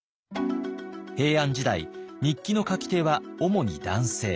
平安時代日記の書き手はおもに男性。